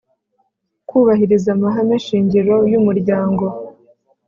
kubahiriza amahame shingiro yumuryango